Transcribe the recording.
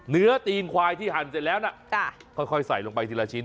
เนื้อถีนควายที่หั่นแล้วนะค่อยใส่ต่อลงไปทีละชิ้น